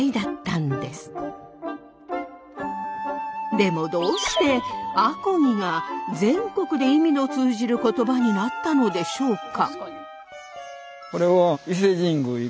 でもどうして「あこぎ」が全国で意味の通じる言葉になったのでしょうか。